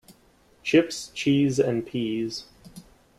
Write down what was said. Chips, cheese and peas.